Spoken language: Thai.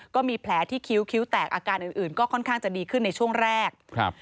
ก็มีแผลที่คิ้วคิ้วแตกอาการอื่นอื่นก็ค่อนข้างจะดีขึ้นในช่วงแรกครับ